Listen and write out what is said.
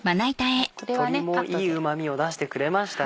鶏もいいうまみを出してくれましたね。